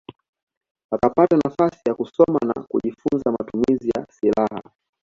Wakapata nafasi ya kusoma na kujifunza matumizi ya silaha